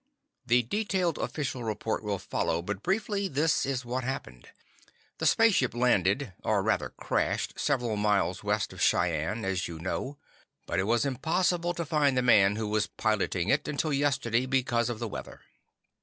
The detailed official report will follow, but briefly, this is what happened: The lifeship landed—or, rather, crashed—several miles west of Cheyenne, as you know, but it was impossible to find the man who was piloting it until yesterday because of the weather.